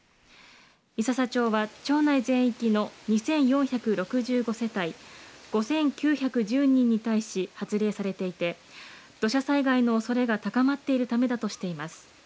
三朝町は、町内全域の２４６５世帯５９１０人に対し発令されていて、土砂災害のおそれが高まっているためだとしています。